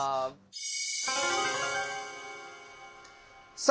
さあ